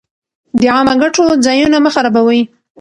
د عامه ګټو ځایونه مه خرابوئ.